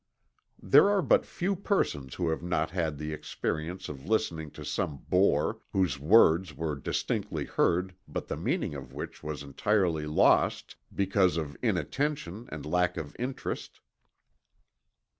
There are but few persons who have not had the experience of listening to some bore, whose words were distinctly heard but the meaning of which was entirely lost because of inattention and lack of interest.